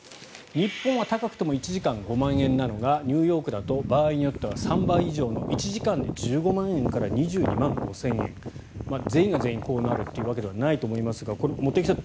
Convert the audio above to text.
日本は高くても１時間５万円なのがニューヨークだと場合によっては３倍以上の１時間で１５万円から２２万５０００円。全員が全員こうなるわけではないと思いますがこれ、茂木さん